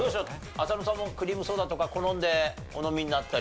浅野さんもクリームソーダとか好んでお飲みになったり。